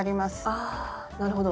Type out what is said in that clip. あなるほど。